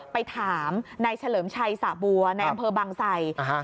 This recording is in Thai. ไปถามนายเฉลิมชัยสะบัวในอำเภอบางไส